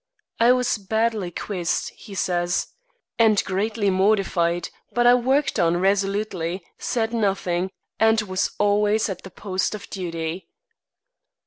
"I was badly quizzed," he says, "and greatly mortified; but I worked on resolutely, said nothing, and was always at the post of duty."